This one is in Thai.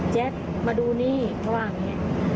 มาดูนี่เขาว่าอย่างนี้